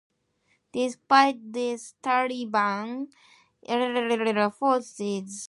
Despite this, Taliban insurgents continue to stage attacks against Afghan government forces.